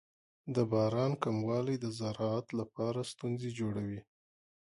د باران کموالی د زراعت لپاره ستونزې جوړوي.